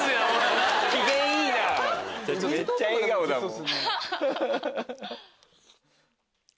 めっちゃ笑顔だもん。